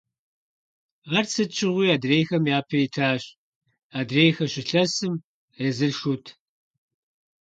Ар сыт щыгъуи адрейхэм япэ итащ, адрейхэр «щылъэсым», езыр «шут».